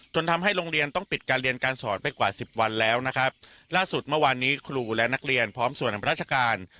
ทำให้โรงเรียนต้องปิดการเรียนการสอนไปกว่าสิบวันแล้วนะครับล่าสุดเมื่อวานนี้ครูและนักเรียนพร้อมส่วนราชการ